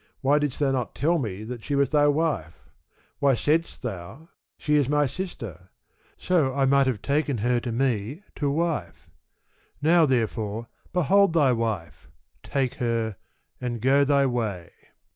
why didst thou not tell me that she was thy wife? Why saidst thou, She is my sister? so I might have taken her to me to wife: now therefore behold thy wife, take her, and go thy way.